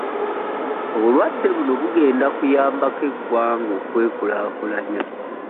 Obulwadde buno bugenda kuyambako eggwanga okwekulaakulanya.